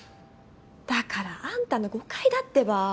だからあんたの誤解だってば。